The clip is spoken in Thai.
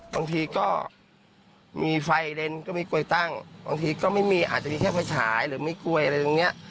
บางทีก็มีไฟเลนก็มีกลวยตั้งบางทีก็ไม่มีอาจจะมีแค่ไฟฉายหรือมีกล้วยอะไรตรงเนี้ย